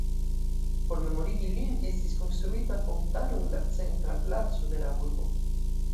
Por memorigi lin estis konstruita fontano en la centra placo de la urbo.